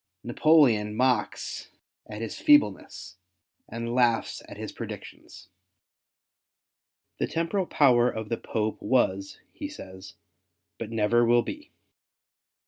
Napoleon mocks at his feebleness, and laughs at his predictions. The temporal power of the Popes was, he says, but never will be.